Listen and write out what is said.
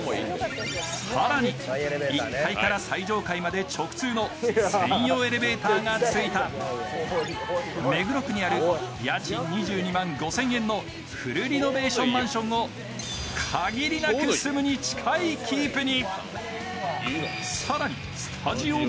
更に１階から最上階まで直通の専用エレベーターがついた目黒区にある家賃２２万５０００円のフルリノベーションマンションを限りなく住むに近いキープに。